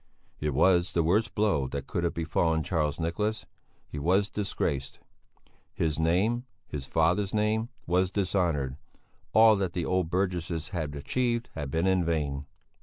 It was the worst blow that could have befallen Charles Nicholas. He was disgraced. His name, his father's name, was dishonoured; all that the old burgesses had achieved had been in vain.